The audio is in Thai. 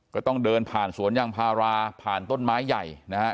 ก็ต้องเดินผ่านสวนยางพาราผ่านต้นไม้ใหญ่นะฮะ